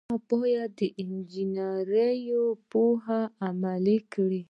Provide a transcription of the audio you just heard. هغه باید د انجنیری پوهه عملي کړي.